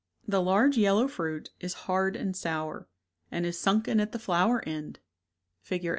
The large yellow fruit is hard and sour, and is sunken at the flower end (Fig.